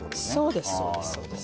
そうですそうです。